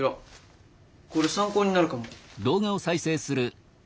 これ参考になるかも。